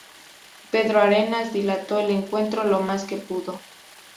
Pedro Arenas dilató el encuentro lo más que pudo.